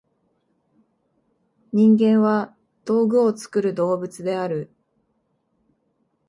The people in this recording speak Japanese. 人間は「道具を作る動物」である。